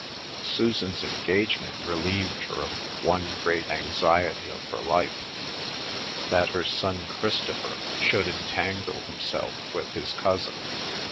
Susan's engagement relieved her of the one great anxiety of her life—that her son Christopher should "entangle himself" with his cousin.